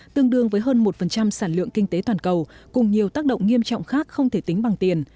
tương đương với hơn một sản lượng kinh tế toàn cầu cùng nhiều tác động nghiêm trọng khác không thể tính bằng tiền